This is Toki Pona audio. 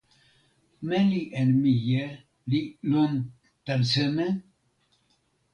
meli en mije li lon tan seme?